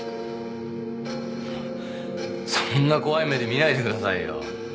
そんな怖い目で見ないでくださいよ。